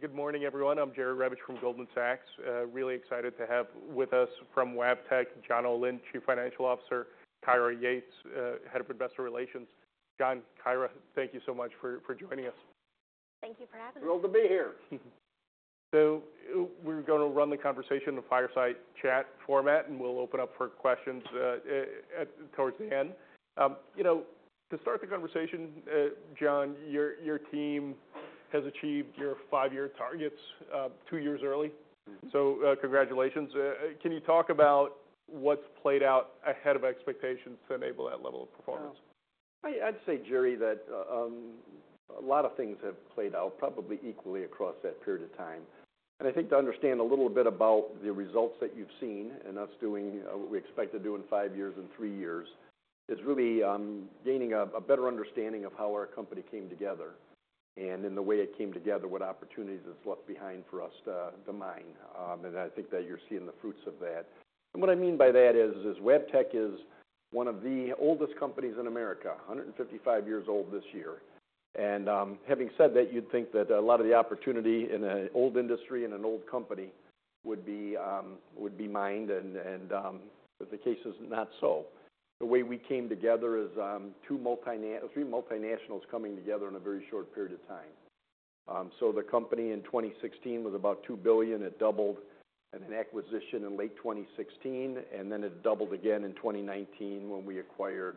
Good morning everyone. I'm Jerry Revich from Goldman Sachs. Really excited to have with us from Wabtec, John Olin, Chief Financial Officer, Kyra Yates, Head of Investor Relations. John, Kyra, thank you so much for joining us. Thank you for having us. Thrilled to be here. We're gonna run the conversation in a fireside chat format, and we'll open up for questions towards the end. You know, to start the conversation, John, your team has achieved your five-year targets two years early. Mm-hmm. So, congratulations. Can you talk about what's played out ahead of expectations to enable that level of performance? I'd say, Jerry, that a lot of things have played out probably equally across that period of time, and I think to understand a little bit about the results that you've seen and us doing what we expect to do in five years and three years, it's really gaining a better understanding of how our company came together and in the way it came together, what opportunities it's left behind for us to mine, and I think that you're seeing the fruits of that, and what I mean by that is Wabtec is one of the oldest companies in America, 155 years old this year, and having said that, you'd think that a lot of the opportunity in an old industry and an old company would be mined, but the case is not so. The way we came together is two multinationals coming together in a very short period of time, so the company in 2016 was about $2 billion. It doubled at an acquisition in late 2016, and then it doubled again in 2019 when we acquired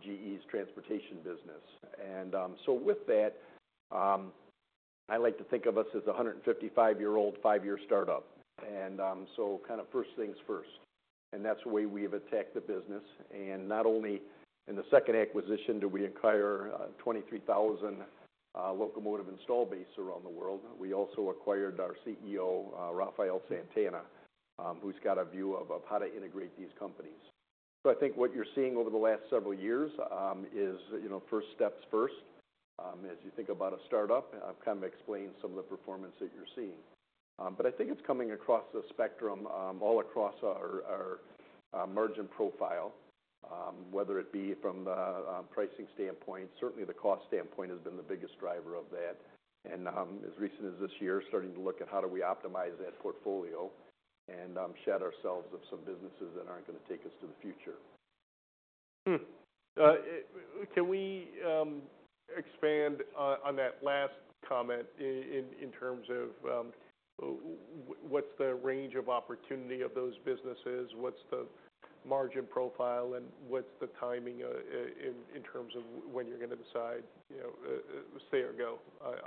GE's transportation business, so with that, I like to think of us as a 155-year-old, five-year startup, so kind of first things first. That's the way we've attacked the business. Not only in the second acquisition did we acquire 23,000 locomotive install bases around the world. We also acquired our CEO, Rafael Santana, who's got a view of how to integrate these companies. I think what you're seeing over the last several years is you know, first steps first as you think about a startup. I've kind of explained some of the performance that you're seeing. But I think it's coming across the spectrum, all across our margin profile, whether it be from the pricing standpoint. Certainly, the cost standpoint has been the biggest driver of that. And as recent as this year, starting to look at how do we optimize that portfolio and shed ourselves of some businesses that aren't gonna take us to the future. Can we expand on that last comment in terms of what's the range of opportunity of those businesses? What's the margin profile, and what's the timing in terms of when you're gonna decide, you know, stay or go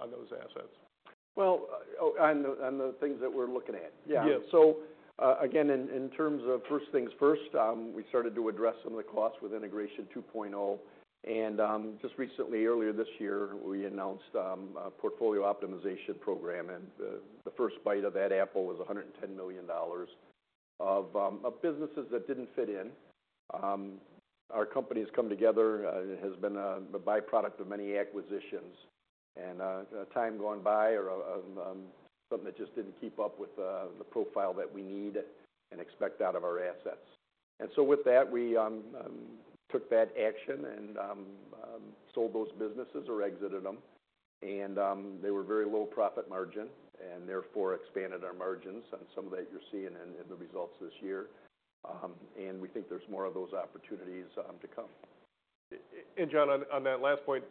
on those assets? Oh, on the things that we're looking at. Yeah. Yeah. So, again, in terms of first things first, we started to address some of the costs with Integration 2.0. And, just recently, earlier this year, we announced a portfolio optimization program. And, the first bite of that apple was $110 million of businesses that didn't fit in. Our company has come together. It has been a byproduct of many acquisitions. And, time gone by or something that just didn't keep up with the profile that we need and expect out of our assets. And so with that, we took that action and sold those businesses or exited them. And, they were very low profit margin, and therefore expanded our margins on some of that you're seeing in the results this year. And we think there's more of those opportunities to come. And, John, on that last point,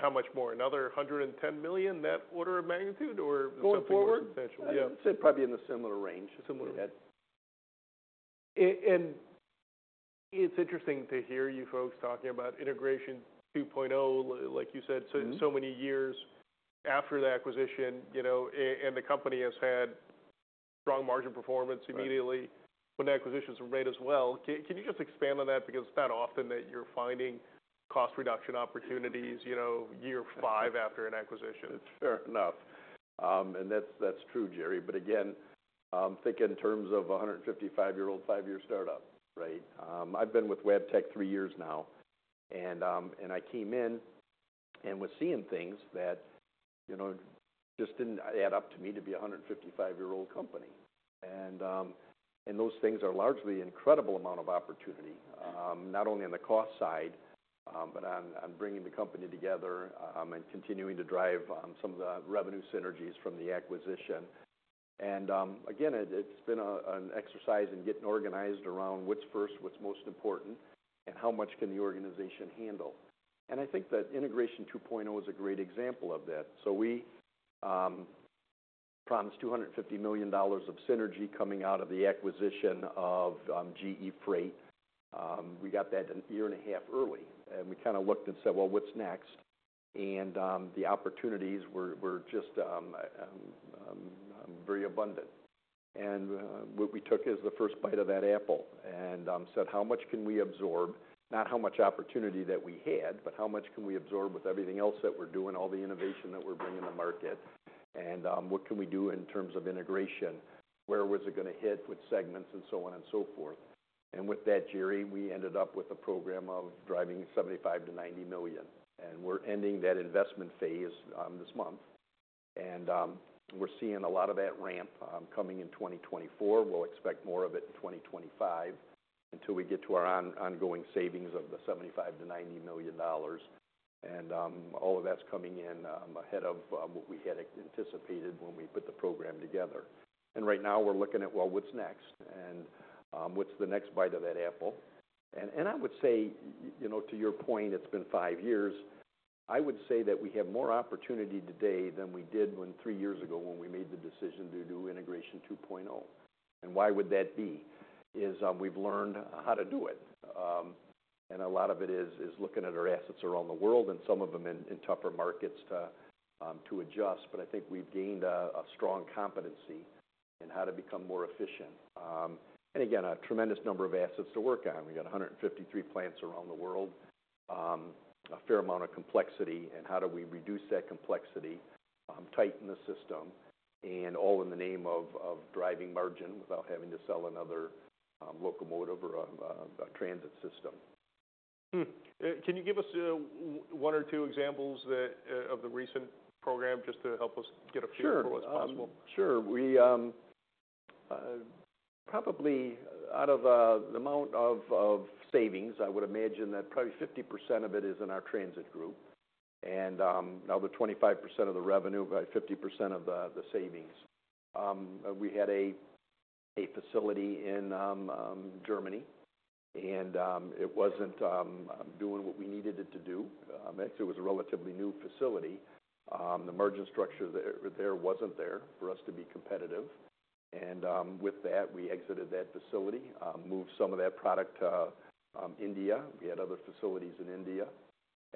how much more? Another $110 million, that order of magnitude, or something more potentially? Going forward? Potentially, yeah. I'd say probably in the similar range. Similar range. To that. And it's interesting to hear you folks talking about Integration 2.0, like you said, so. Mm-hmm. Many years after the acquisition, you know, and the company has had strong margin performance immediately. Mm-hmm. When the acquisitions were made as well. Can you just expand on that? Because it's not often that you're finding cost reduction opportunities, you know, year five after an acquisition. It's fair enough. And that's true, Jerry. But again, think in terms of a 155-year-old, five-year startup, right? I've been with Wabtec three years now. And I came in and was seeing things that, you know, just didn't add up to me to be a 155-year-old company. And those things are largely an incredible amount of opportunity, not only on the cost side, but on bringing the company together, and continuing to drive some of the revenue synergies from the acquisition. And again, it's been an exercise in getting organized around what's first, what's most important, and how much can the organization handle. And I think that Integration 2.0 is a great example of that. So we promised $250 million of synergy coming out of the acquisition of GE Transportation. We got that a year and a half early. We kinda looked and said, "Well, what's next?" And the opportunities were just very abundant. And we took as the first bite of that apple and said, "How much can we absorb?" Not how much opportunity that we had, but how much can we absorb with everything else that we're doing, all the innovation that we're bringing to market? And what can we do in terms of integration? Where was it gonna hit, what segments, and so on and so forth? And with that, Jerry, we ended up with a program of driving $75-$90 million. And we're ending that investment phase this month. And we're seeing a lot of that ramp coming in 2024. We'll expect more of it in 2025 until we get to our ongoing savings of the $75-$90 million. All of that's coming in ahead of what we had anticipated when we put the program together. Right now, we're looking at, "Well, what's next?" I would say, you know, to your point, it's been five years. I would say that we have more opportunity today than we did when three years ago when we made the decision to do Integration 2.0. Why would that be? We've learned how to do it. A lot of it is looking at our assets around the world and some of them in tougher markets to adjust. I think we've gained a strong competency in how to become more efficient. Again, a tremendous number of assets to work on. We got 153 plants around the world, a fair amount of complexity. And how do we reduce that complexity, tighten the system, and all in the name of driving margin without having to sell another locomotive or a transit system? Can you give us one or two examples that of the recent program just to help us get a feel for what's possible? Sure. Sure. We probably, out of the amount of savings, I would imagine that probably 50% of it is in our transit group. And another 25% of the revenue, about 50% of the savings. We had a facility in Germany. It wasn't doing what we needed it to do. Actually, it was a relatively new facility. The margin structure there wasn't there for us to be competitive. With that, we exited that facility, moved some of that product to India. We had other facilities in India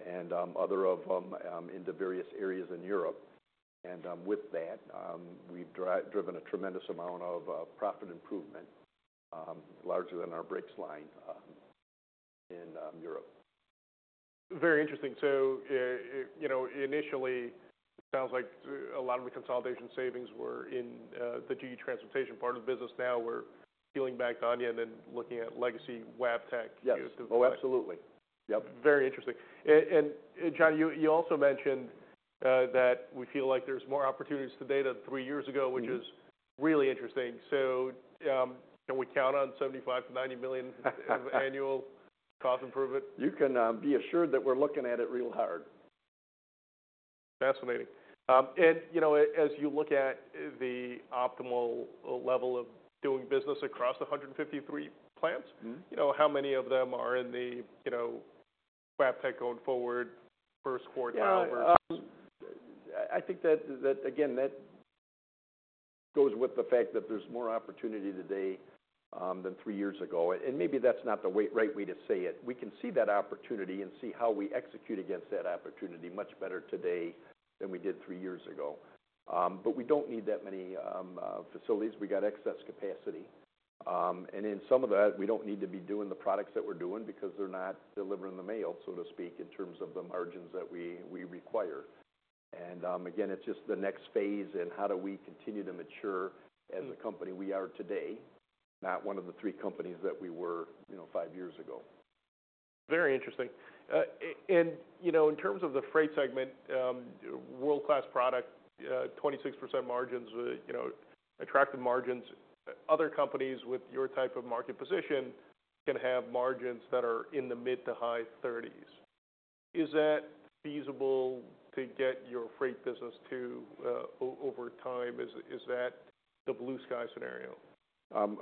and other into various areas in Europe. With that, we've driven a tremendous amount of profit improvement, larger than our brakes line in Europe. Very interesting. So, you know, initially, it sounds like a lot of the consolidation savings were in the GE Transportation part of the business. Now we're peeling back the onion and looking at legacy Wabtec. Yes. Oh, absolutely. Yep. Very interesting. And, John, you also mentioned that we feel like there's more opportunities today than three years ago, which is really interesting. So, can we count on $75-$90 million of annual cost improvement? You can be assured that we're looking at it real hard. Fascinating, and you know, as you look at the optimal level of doing business across the 153 plants. Mm-hmm. You know, how many of them are in the, you know, Wabtec going forward first quarter? I think that again that goes with the fact that there's more opportunity today than three years ago. Maybe that's not the right way to say it. We can see that opportunity and see how we execute against that opportunity much better today than we did three years ago. We don't need that many facilities. We got excess capacity. In some of that, we don't need to be doing the products that we're doing because they're not delivering the mail, so to speak, in terms of the margins that we require. Again, it's just the next phase in how we continue to mature as a company we are today, not one of the three companies that we were, you know, five years ago. Very interesting. And, you know, in terms of the freight segment, world-class product, 26% margins, you know, attractive margins, other companies with your type of market position can have margins that are in the mid to high 30s. Is that feasible to get your freight business to, over time? Is that the blue sky scenario?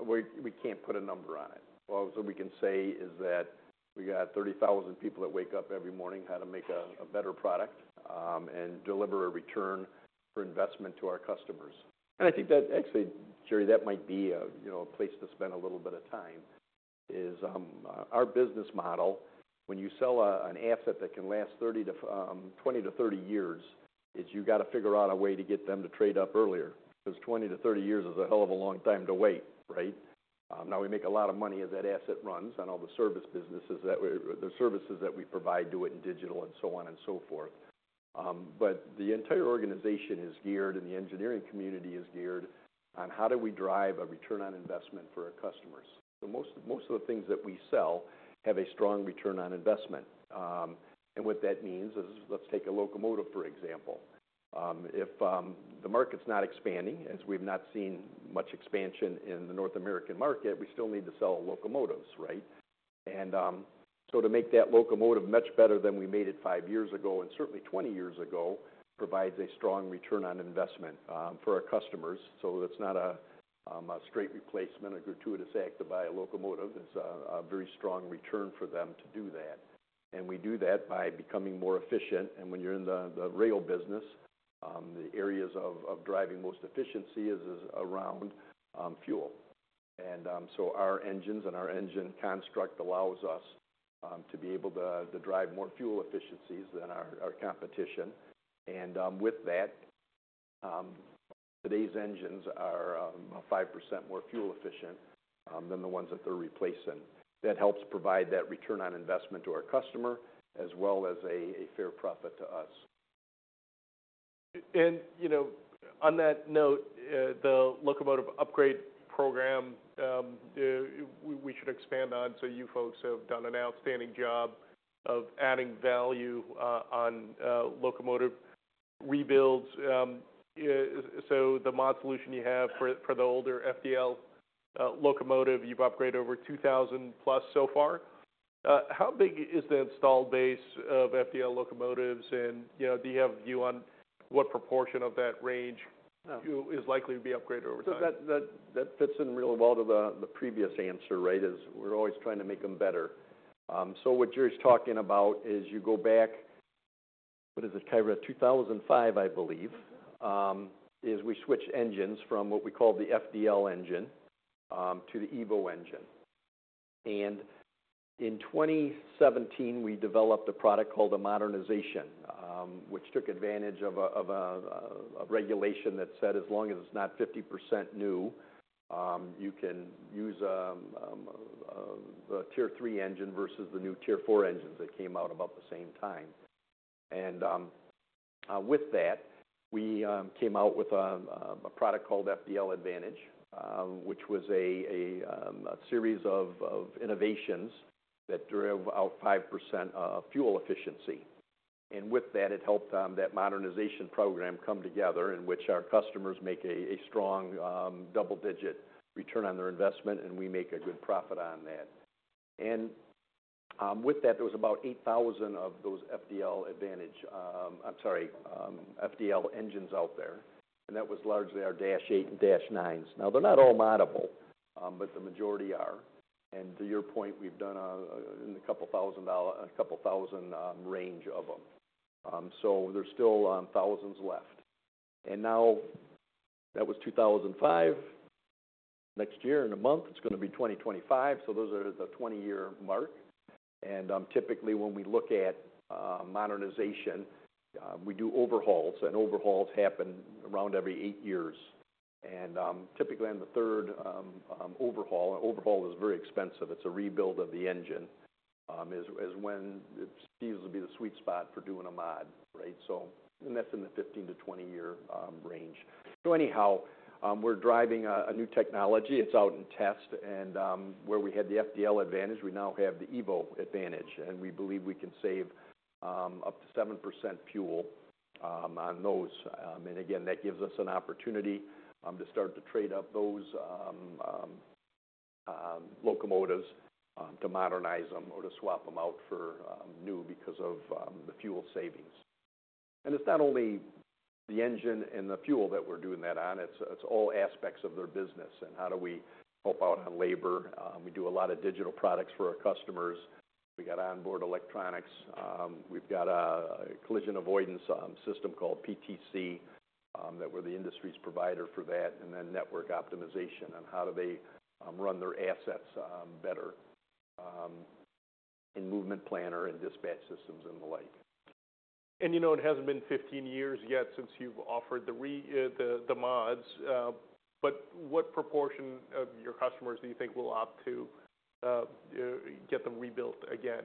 We can't put a number on it. All we can say is that we got 30,000 people that wake up every morning wanting to make a better product and deliver a return on investment to our customers. I think that actually, Jerry, that might be a you know a place to spend a little bit of time is our business model. When you sell an asset that can last 20 to 30 years, you gotta figure out a way to get them to trade up earlier because 20 to 30 years is a hell of a long time to wait, right? Now we make a lot of money as that asset runs and all the service businesses that we're the services that we provide do it in digital and so on and so forth. But the entire organization is geared and the engineering community is geared on how do we drive a return on investment for our customers. So most, most of the things that we sell have a strong return on investment. And what that means is let's take a locomotive, for example. If the market's not expanding, as we've not seen much expansion in the North American market, we still need to sell locomotives, right? And so to make that locomotive much better than we made it five years ago and certainly 20 years ago provides a strong return on investment for our customers. So that's not a straight replacement, a gratuitous act to buy a locomotive. It's a very strong return for them to do that. And we do that by becoming more efficient. And when you're in the rail business, the areas of driving most efficiency is around fuel. And so our engines and our engine construct allows us to be able to drive more fuel efficiencies than our competition. And with that, today's engines are 5% more fuel efficient than the ones that they're replacing. That helps provide that return on investment to our customer as well as a fair profit to us. And, you know, on that note, the locomotive upgrade program we should expand on. So you folks have done an outstanding job of adding value on locomotive rebuilds. So the mod solution you have for the older FDL locomotive, you've upgraded over 2,000 plus so far. How big is the installed base of FDL locomotives? And, you know, do you have a view on what proportion of that range? Who is likely to be upgraded over time? That fits in really well to the previous answer, right? We're always trying to make them better. What Jerry's talking about is you go back, what is it, Kyra? 2005, I believe, is we switch engines from what we call the FDL engine to the EVO engine. And in 2017, we developed a product called a modernization, which took advantage of a regulation that said as long as it's not 50% new, you can use the Tier 3 engine versus the new Tier 4 engines that came out about the same time. And with that, we came out with a product called FDL Advantage, which was a series of innovations that drove out 5% fuel efficiency. With that, it helped that modernization program come together in which our customers make a strong, double-digit return on their investment, and we make a good profit on that. With that, there was about 8,000 of those FDL Advantage. I'm sorry, FDL engines out there. That was largely our Dash 8 and Dash 9s. Now, they're not all moddable, but the majority are. To your point, we've done in the couple thousand, a couple thousand range of them. So there's still thousands left. Now that was 2005. Next year in a month, it's gonna be 2025. Those are at the 20-year mark. Typically, when we look at modernization, we do overhauls. Overhauls happen around every eight years. Typically, on the third overhaul, an overhaul is very expensive. It's a rebuild of the engine when it seems to be the sweet spot for doing a mod, right? So and that's in the 15- to 20-year range. So anyhow, we're driving a new technology. It's out in test. And where we had the FDL Advantage, we now have the EVO Advantage. And we believe we can save up to 7% fuel on those. And again, that gives us an opportunity to start to trade up those locomotives to modernize them or to swap them out for new because of the fuel savings. And it's not only the engine and the fuel that we're doing that on. It's all aspects of their business and how do we help out on labor. We do a lot of digital products for our customers. We got onboard electronics. We've got a collision avoidance system called PTC that we're the industry's provider for that, and then network optimization on how do they run their assets better in Movement Planner and dispatch systems and the like. You know, it hasn't been 15 years yet since you've offered the mods. But what proportion of your customers do you think will opt to get them rebuilt again?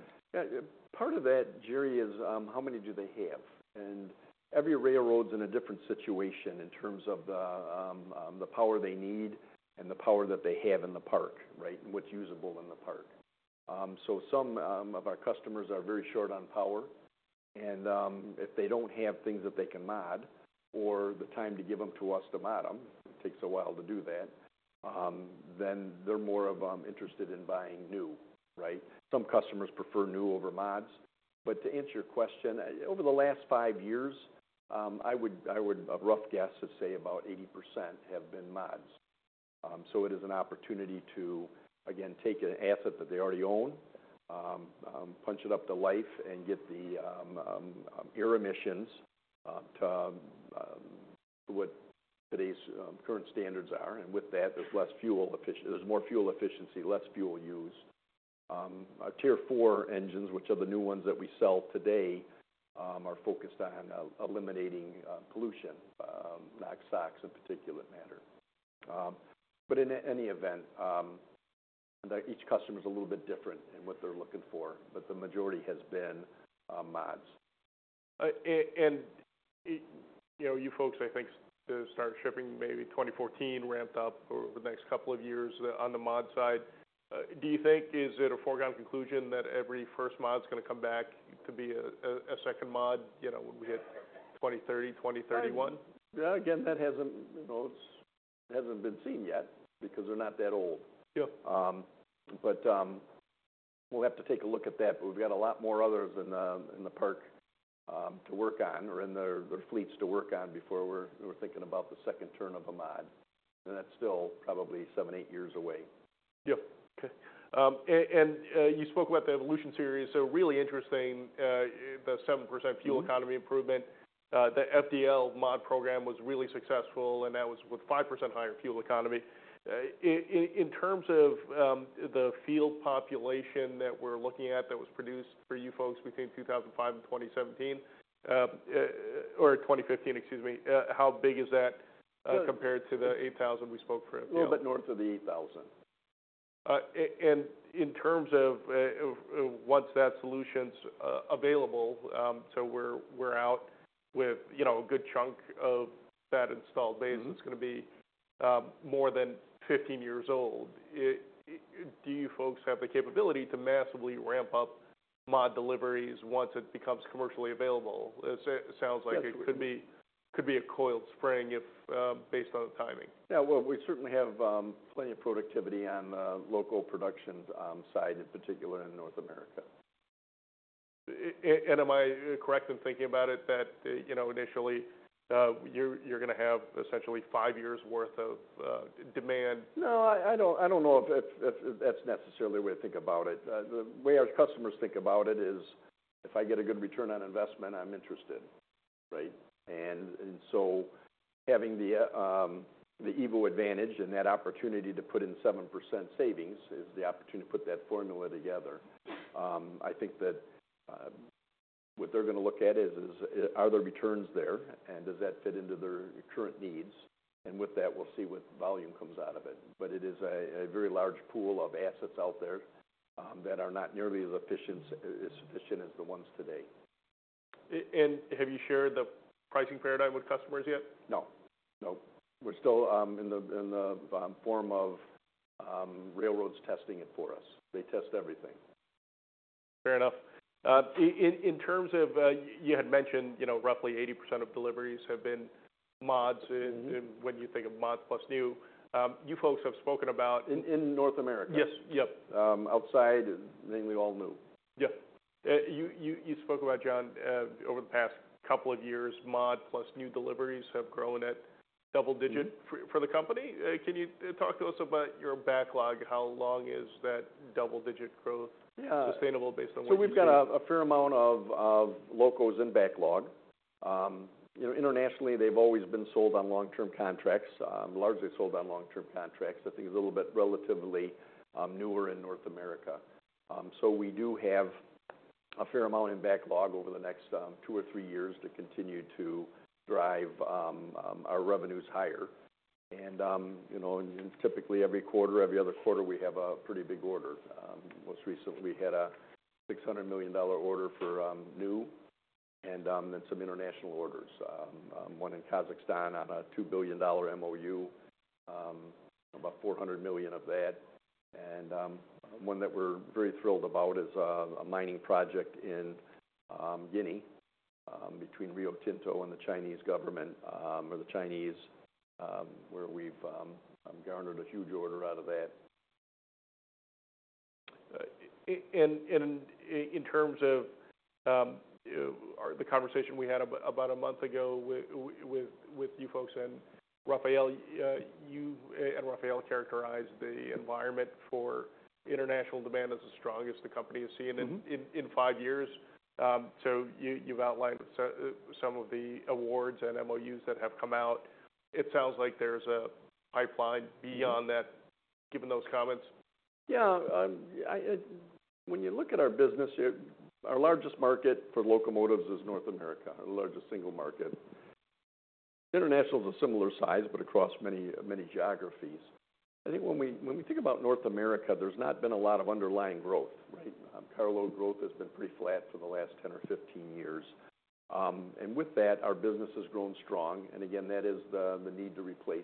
Part of that, Jerry, is how many do they have? And every railroad's in a different situation in terms of the power they need and the power that they have in the park, right, and what's usable in the park. So some of our customers are very short on power. And if they don't have things that they can mod or the time to give them to us to mod them, it takes a while to do that, then they're more interested in buying new, right? Some customers prefer new over mods. But to answer your question, over the last five years, I would, I would, a rough guess is say about 80% have been mods. So it is an opportunity to, again, take an asset that they already own, punch it up to life and get the air emissions to what today's current standards are. With that, there's more fuel efficiency, less fuel use. Our Tier 4 engines, which are the new ones that we sell today, are focused on eliminating pollution, NOx and SOx in particular, particulate matter. But in any event, each customer's a little bit different in what they're looking for, but the majority has been mods. You know, you folks, I think started shipping maybe 2014, ramped up over the next couple of years on the mod side. Do you think, is it a foregone conclusion that every first mod's gonna come back to be a second mod, you know, when we hit 2030, 2031? Yeah. Again, that hasn't, you know, been seen yet because they're not that old. Yeah. But we'll have to take a look at that. but we've got a lot more others in the park to work on or in their fleets to work on before we're thinking about the second turn of a mod. and that's still probably seven, eight years away. Yeah. Okay. And you spoke about the Evolution Series. So really interesting, the 7% fuel economy improvement. The FDL mod program was really successful, and that was with 5% higher fuel economy. In terms of the fleet population that we're looking at that was produced for you folks between 2005 and 2017, or 2015, excuse me, how big is that compared to the 8,000 we spoke for? A little bit north of the 8,000. And in terms of once that solution's available, so we're out with, you know, a good chunk of that installed base that's gonna be more than 15 years old, do you folks have the capability to massively ramp up mod deliveries once it becomes commercially available? It sounds like it could be. Could be a coiled spring if, based on the timing. Yeah. Well, we certainly have plenty of productivity on the local production side, in particular in North America. And am I correct in thinking about it that, you know, initially, you're gonna have essentially five years' worth of demand? No. I don't know if that's necessarily the way to think about it. The way our customers think about it is if I get a good return on investment, I'm interested, right? And so having the EVO Advantage and that opportunity to put in 7% savings is the opportunity to put that formula together. I think that what they're gonna look at is are there returns there? And does that fit into their current needs? And with that, we'll see what volume comes out of it. But it is a very large pool of assets out there that are not nearly as efficient, sufficient as the ones today. Have you shared the pricing paradigm with customers yet? No. No. We're still in the form of railroads testing it for us. They test everything. Fair enough. In terms of, you had mentioned, you know, roughly 80% of deliveries have been mods in. Mm-hmm. When you think of mods plus new, you folks have spoken about. In North America? Yes. Yep. Outside, mainly all new. Yeah. You spoke about, John, over the past couple of years, mod plus new deliveries have grown at double digit. Mm-hmm. For the company? Can you talk to us about your backlog? How long is that double-digit growth? Yeah. Sustainable based on what you've seen? We've got a fair amount of locos in backlog. You know, internationally, they've always been sold on long-term contracts, largely sold on long-term contracts. I think it's a little bit relatively newer in North America. We do have a fair amount in backlog over the next two or three years to continue to drive our revenues higher. You know, and typically every quarter, every other quarter, we have a pretty big order. Most recently, we had a $600 million order for new, and then some international orders, one in Kazakhstan on a $2 billion MOU, about $400 million of that. One that we're very thrilled about is a mining project in Guinea, between Rio Tinto and the Chinese government, or the Chinese, where we've garnered a huge order out of that. And in terms of the conversation we had about a month ago with you folks and Rafael, and Rafael characterized the environment for international demand as the strongest the company has seen. Mm-hmm. In five years. So you've outlined some of the awards and MOUs that have come out. It sounds like there's a pipeline beyond that, given those comments. Yeah. When you look at our business, our largest market for locomotives is North America, our largest single market. International's a similar size, but across many, many geographies. I think when we think about North America, there's not been a lot of underlying growth, right? Carload growth has been pretty flat for the last 10 or 15 years, and with that, our business has grown strong. And again, that is the need to replace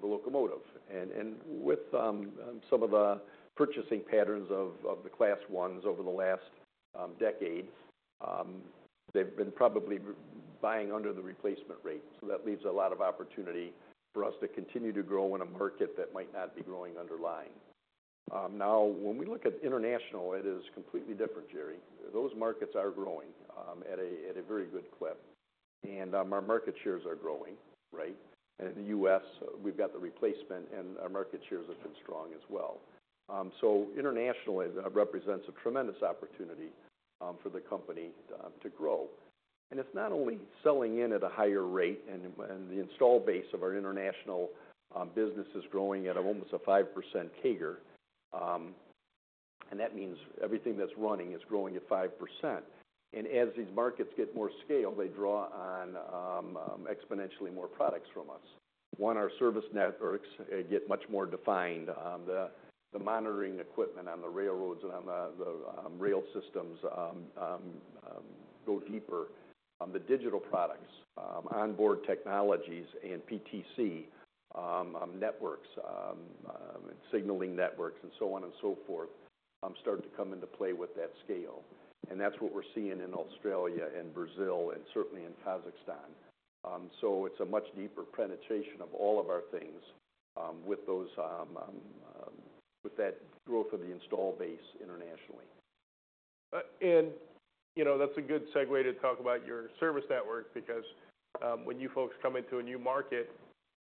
the locomotive, and with some of the purchasing patterns of the Class I over the last decade, they've been probably buying under the replacement rate. So that leaves a lot of opportunity for us to continue to grow in a market that might not be growing underlying. Now, when we look at international, it is completely different, Jerry. Those markets are growing at a very good clip. Our market shares are growing, right? In the U.S., we've got the replacement, and our market shares have been strong as well, so internationally, that represents a tremendous opportunity for the company to grow. It's not only selling in at a higher rate, and the installed base of our international business is growing at almost a 5% CAGR, and that means everything that's running is growing at 5%. As these markets get more scale, they draw on exponentially more products from us. Once our service networks get much more defined, the monitoring equipment on the railroads and on the rail systems goes deeper. The digital products, onboard technologies and PTC networks, signaling networks, and so on and so forth, start to come into play with that scale, and that's what we're seeing in Australia and Brazil and certainly in Kazakhstan. So it's a much deeper penetration of all of our things, with those, with that growth of the installed base internationally. And, you know, that's a good segue to talk about your service network because when you folks come into a new market,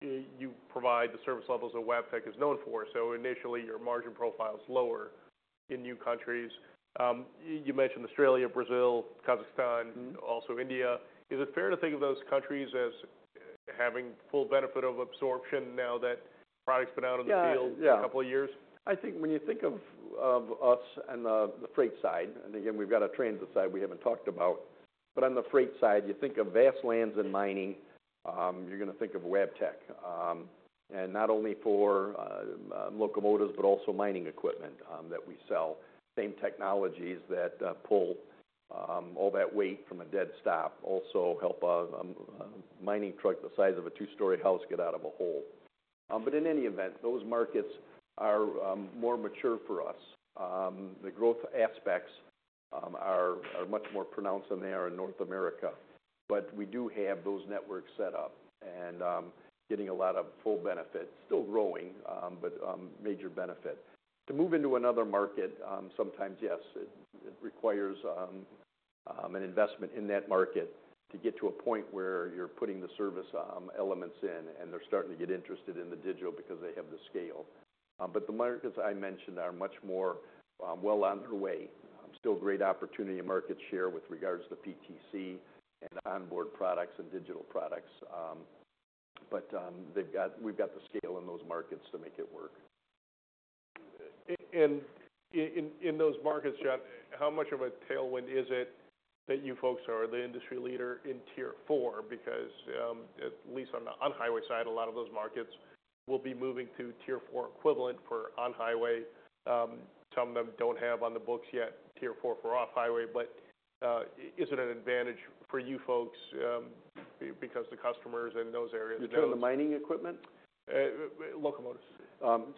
you provide the service levels that Wabtec is known for. So initially, your margin profile's lower in new countries. You mentioned Australia, Brazil, Kazakhstan. Mm-hmm. Also, India. Is it fair to think of those countries as having full benefit of absorption now that product's been out in the field? Yeah. Yeah. For a couple of years? I think when you think of us and the freight side, and again, we've got a transit side we haven't talked about, but on the freight side, you think of vast lands and mining, you're gonna think of Wabtec, and not only for locomotives but also mining equipment that we sell. Same technologies that pull all that weight from a dead stop also help a mining truck the size of a two-story house get out of a hole, but in any event, those markets are more mature for us, the growth aspects are much more pronounced than they are in North America, but we do have those networks set up and getting a lot of full benefit, still growing, but major benefit. To move into another market, sometimes yes, it requires an investment in that market to get to a point where you're putting the service elements in, and they're starting to get interested in the digital because they have the scale. But the markets I mentioned are much more well underway. Still great opportunity market share with regards to PTC and onboard products and digital products. But we've got the scale in those markets to make it work. In those markets, John, how much of a tailwind is it that you folks are the industry leader in Tier 4? Because, at least on the on-highway side, a lot of those markets will be moving to Tier 4 equivalent for on-highway. Some of them don't have on the books yet Tier 4 for off-highway. But, is it an advantage for you folks, because the customers in those areas know. You're talking the mining equipment? Locomotives.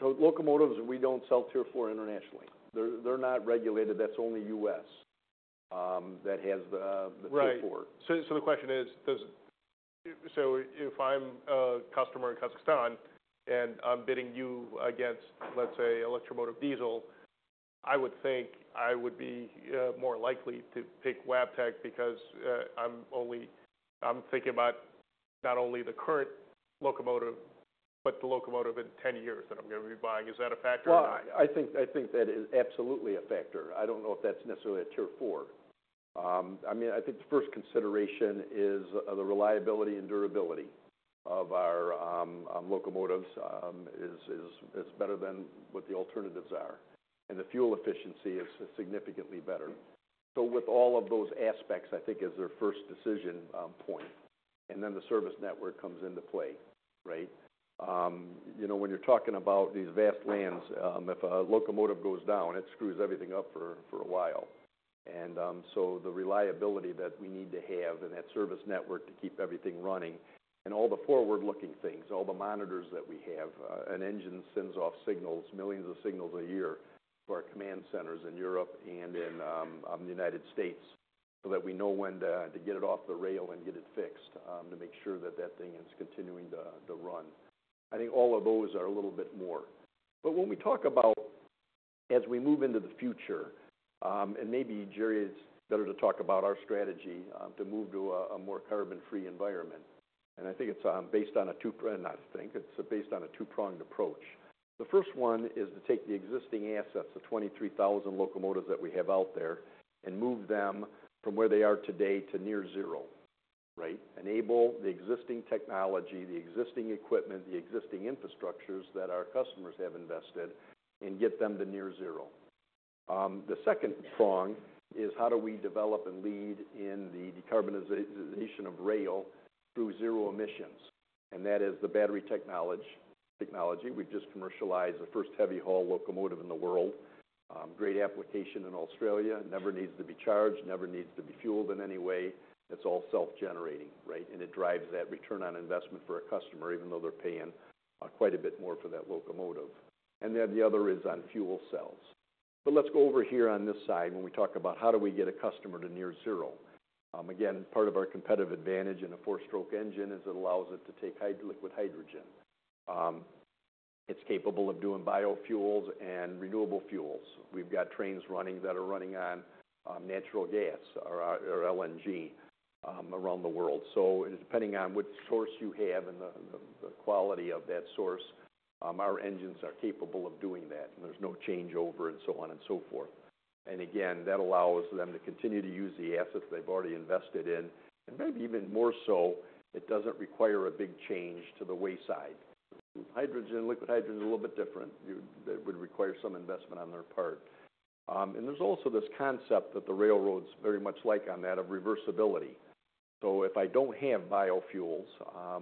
Locomotives, we don't sell Tier 4 internationally. They're not regulated. That's only U.S., that has the Tier 4. Right. So the question is, does, if I'm a customer in Kazakhstan and I'm bidding you against, let's say, Electro-Motive Diesel, I would think I would be more likely to pick Wabtec because I'm only thinking about not only the current locomotive but the locomotive in 10 years that I'm gonna be buying. Is that a factor or not? I think that is absolutely a factor. I don't know if that's necessarily a Tier 4. I mean, I think the first consideration is the reliability and durability of our locomotives is better than what the alternatives are. And the fuel efficiency is significantly better. So with all of those aspects, I think is their first decision point. And then the service network comes into play, right? You know, when you're talking about these vast lands, if a locomotive goes down, it screws everything up for a while. And so the reliability that we need to have and that service network to keep everything running and all the forward-looking things, all the monitors that we have, an engine sends off signals, millions of signals a year to our command centers in Europe and in the United States so that we know when to get it off the rail and get it fixed, to make sure that that thing is continuing to run. I think all of those are a little bit more. But when we talk about as we move into the future, and maybe, Jerry, it's better to talk about our strategy to move to a more carbon-free environment. And I think it's based on a two pr not I think. It's based on a two-pronged approach. The first one is to take the existing assets, the 23,000 locomotives that we have out there, and move them from where they are today to near zero, right? Enable the existing technology, the existing equipment, the existing infrastructures that our customers have invested and get them to near zero. The second prong is how do we develop and lead in the decarbonization of rail through zero emissions? And that is the battery technology. We've just commercialized the first heavy haul locomotive in the world, great application in Australia, never needs to be charged, never needs to be fueled in any way. It's all self-generating, right? And it drives that return on investment for a customer even though they're paying, quite a bit more for that locomotive. And then the other is on fuel cells. But let's go over here on this side when we talk about how do we get a customer to net zero. Again, part of our competitive advantage in a four-stroke engine is it allows it to take pure liquid hydrogen. It's capable of doing biofuels and renewable fuels. We've got trains running on natural gas or LNG around the world. So depending on which source you have and the quality of that source, our engines are capable of doing that. And there's no changeover and so on and so forth. And again, that allows them to continue to use the assets they've already invested in and maybe even more so. It doesn't require a big change to the wayside. Hydrogen, liquid hydrogen's a little bit different. But that would require some investment on their part. And there's also this concept that the railroads very much like on that of reversibility. So if I don't have biofuels,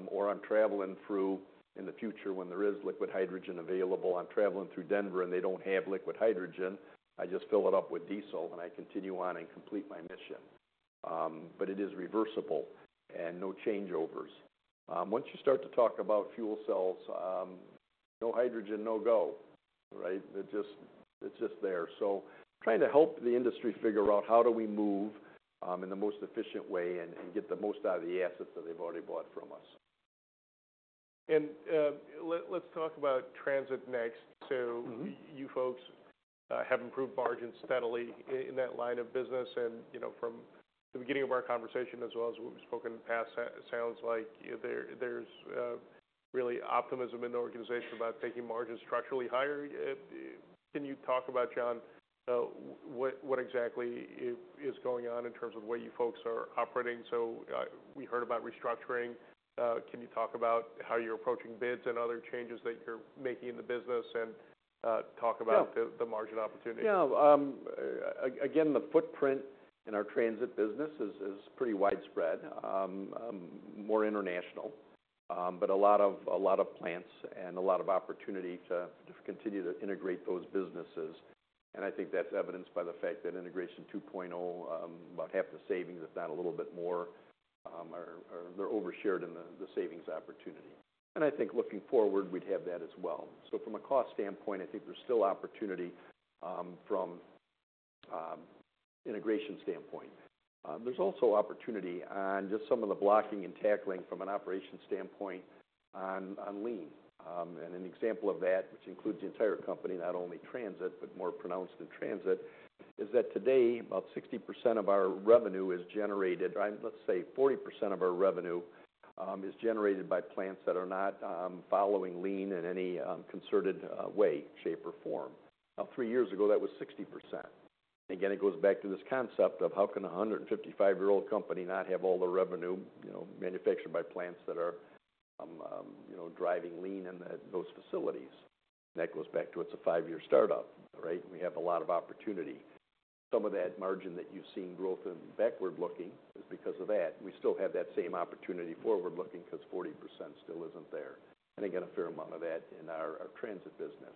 or I'm traveling through in the future when there is liquid hydrogen available, I'm traveling through Denver and they don't have liquid hydrogen, I just fill it up with diesel and I continue on and complete my mission. But it is reversible and no changeovers. Once you start to talk about fuel cells, no hydrogen, no go, right? It just, it's just there. So trying to help the industry figure out how do we move in the most efficient way and get the most out of the assets that they've already bought from us. Let's talk about transit next. You folks have improved margins steadily in that line of business and, you know, from the beginning of our conversation as well as what we've spoken in the past. Sounds like there's really optimism in the organization about taking margins structurally higher. Can you talk about, John, what exactly is going on in terms of the way you folks are operating? So, we heard about restructuring. Can you talk about how you're approaching bids and other changes that you're making in the business and talk about. The margin opportunity? Yeah. Again, the footprint in our transit business is pretty widespread, more international, but a lot of plants and a lot of opportunity to continue to integrate those businesses. And I think that's evidenced by the fact that Integration 2.0, about half the savings, if not a little bit more, are. They're overshared in the savings opportunity. And I think looking forward, we'd have that as well. So from a cost standpoint, I think there's still opportunity, from integration standpoint. There's also opportunity on just some of the blocking and tackling from an operations standpoint on lean. And an example of that, which includes the entire company, not only transit but more pronounced in transit, is that today, about 60% of our revenue is generated. Let's say 40% of our revenue is generated by plants that are not following lean in any concerted way, shape, or form. Now, three years ago, that was 60%. And again, it goes back to this concept of how can a 155-year-old company not have all the revenue, you know, manufactured by plants that are, you know, driving lean in those facilities? And that goes back to it's a five-year startup, right? We have a lot of opportunity. Some of that margin that you've seen growth in backward-looking is because of that. We still have that same opportunity forward-looking 'cause 40% still isn't there. And again, a fair amount of that in our transit business.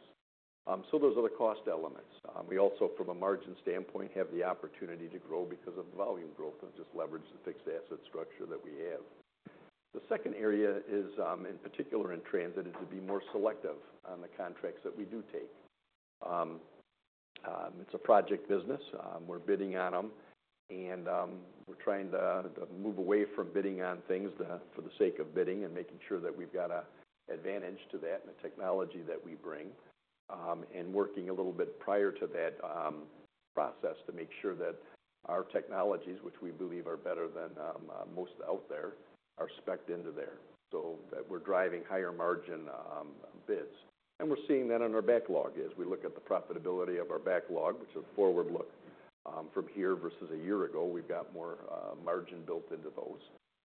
So those are the cost elements. We also, from a margin standpoint, have the opportunity to grow because of the volume growth and just leverage the fixed asset structure that we have. The second area is, in particular in transit, is to be more selective on the contracts that we do take. It's a project business. We're bidding on them. And, we're trying to move away from bidding on things for the sake of bidding and making sure that we've got a advantage to that and the technology that we bring, and working a little bit prior to that, process to make sure that our technologies, which we believe are better than, most out there, are specced into there so that we're driving higher margin, bids. And we're seeing that on our backlog as we look at the profitability of our backlog, which is forward-looked, from here versus a year ago. We've got more margin built into those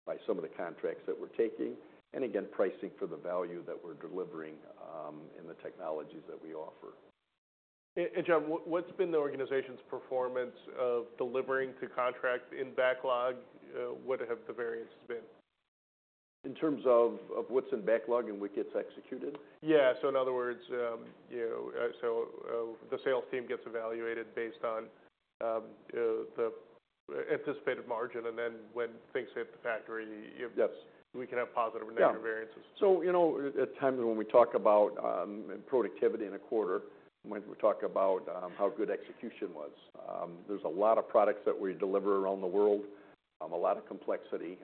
by some of the contracts that we're taking. And again, pricing for the value that we're delivering, in the technologies that we offer. And John, what's been the organization's performance of delivering to contract in backlog? What have the variances been? In terms of what's in backlog and what gets executed? Yeah. So in other words, you know, so the sales team gets evaluated based on the anticipated margin. And then when things hit the factory, you. Yes. We can have positive or negative variances. Yeah. So, you know, at times when we talk about productivity in a quarter, when we talk about how good execution was, there's a lot of products that we deliver around the world, a lot of complexity,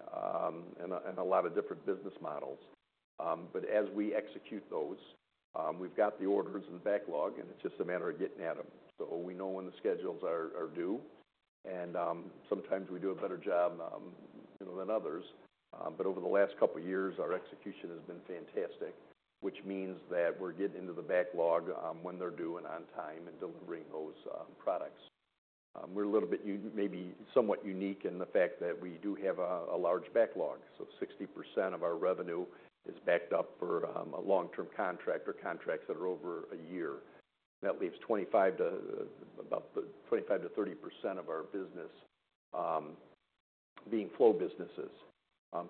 and a lot of different business models. But as we execute those, we've got the orders in the backlog, and it's just a matter of getting at them. So we know when the schedules are due. And sometimes we do a better job, you know, than others. But over the last couple of years, our execution has been fantastic, which means that we're getting into the backlog when they're due and on time and delivering those products. We're a little bit maybe somewhat unique in the fact that we do have a large backlog. 60% of our revenue is backed up for a long-term contract or contracts that are over a year. That leaves 25 to about 30% of our business being flow businesses.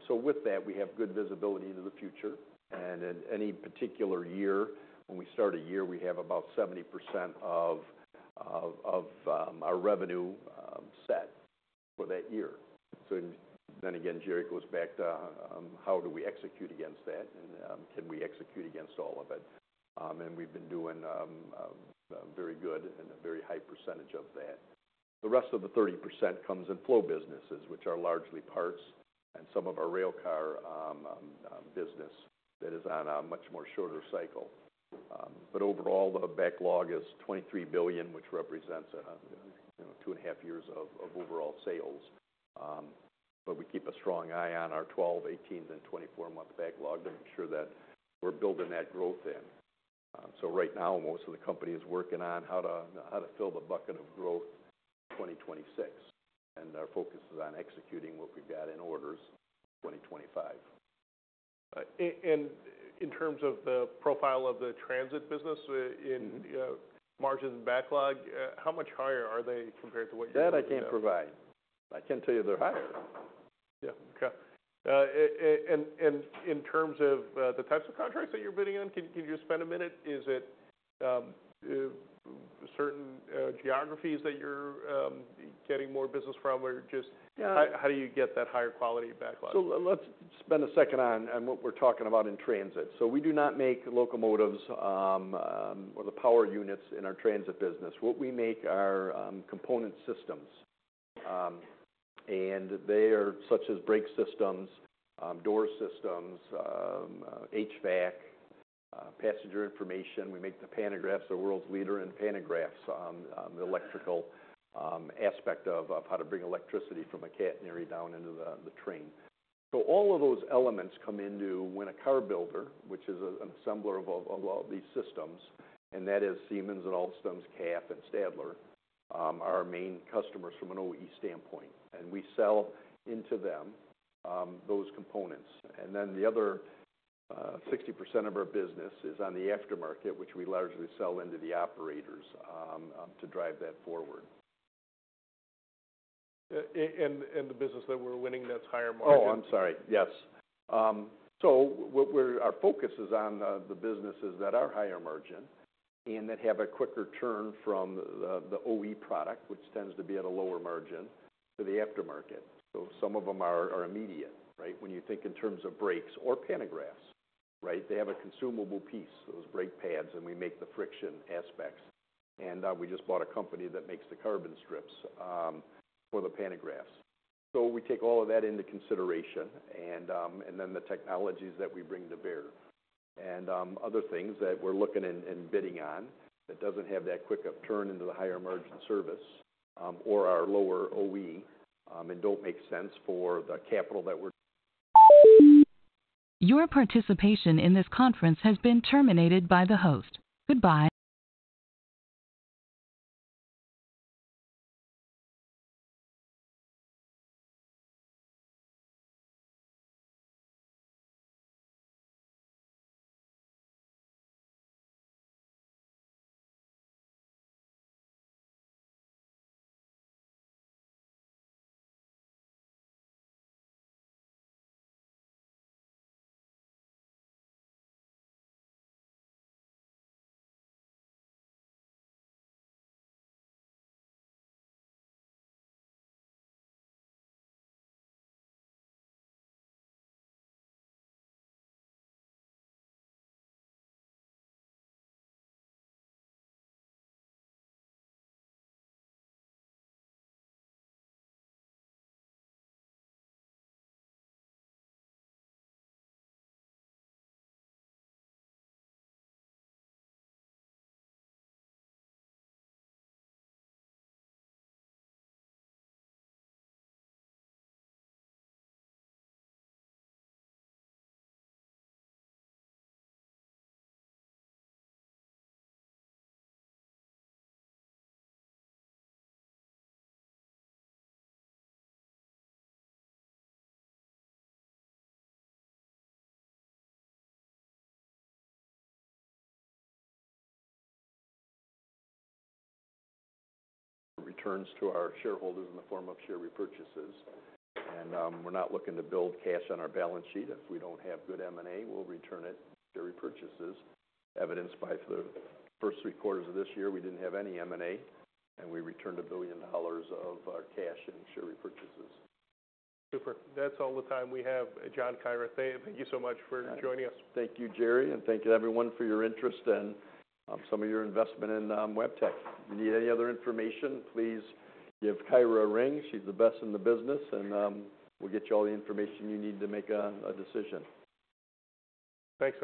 With that, we have good visibility into the future. In any particular year, when we start a year, we have about 70% of our revenue set for that year. Then again, Jerry goes back to how do we execute against that? Can we execute against all of it? We've been doing very good and a very high percentage of that. The rest of the 30% comes in flow businesses, which are largely parts and some of our railcar business that is on a much more shorter cycle. But overall, the backlog is $23 billion, which represents, you know, two and a half years of overall sales. But we keep a strong eye on our 12-, 18-, and 24-month backlog to make sure that we're building that growth in. So right now, most of the company is working on how to fill the bucket of growth in 2026. And our focus is on executing what we've got in orders in 2025. And in terms of the profile of the transit business, in margin backlog, how much higher are they compared to what you're doing? That I can't provide. I can't tell you they're higher. Yeah. Okay. And in terms of the types of contracts that you're bidding on, can you just spend a minute? Is it certain geographies that you're getting more business from or just. Yeah. How do you get that higher quality backlog? So let's spend a second on what we're talking about in transit. We do not make locomotives or the power units in our transit business. What we make are component systems, and they are such as brake systems, door systems, HVAC, passenger information. We make the pantographs. The world's leader in pantographs, the electrical aspect of how to bring electricity from a catenary down into the train. So all of those elements come into when a car builder, which is an assembler of all these systems, and that is Siemens, Alstom, CAF, and Stadler, are our main customers from an OE standpoint. And we sell into them those components. And then the other 60% of our business is on the aftermarket, which we largely sell into the operators to drive that forward. And the business that we're winning that's higher margin? Oh, I'm sorry. Yes, so what our focus is on, the businesses that are higher margin and that have a quicker turn from the OE product, which tends to be at a lower margin, to the aftermarket, so some of them are immediate, right? When you think in terms of brakes or pantographs, right? They have a consumable piece, those brake pads, and we make the friction aspects. And we just bought a company that makes the carbon strips for the pantographs. So we take all of that into consideration and then the technologies that we bring to bear. And other things that we're looking in bidding on that doesn't have that quicker turn into the higher margin service, or lower OE, and don't make sense for the capital that we're. Your participation in this conference has been terminated by the host. Goodbye. Returns to our shareholders in the form of share repurchases. And, we're not looking to build cash on our balance sheet. If we don't have good M&A, we'll return it through repurchases, evidenced by the first three quarters of this year. We didn't have any M&A, and we returned $1 billion of cash in share repurchases. Super. That's all the time we have. John, Kyra, thank you so much for joining us. Thank you, Jerry. And thank you, everyone, for your interest and, some of your investment in, Wabtec. If you need any other information, please give Kyra a ring. She's the best in the business. And, we'll get you all the information you need to make a decision. Thanks.